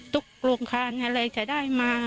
โรงคานอะไรจะได้มา